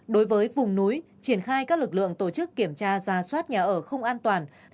đối với vùng núi triển khai các lực lượng tổ chức kiểm tra ra soát nhà ở không an toàn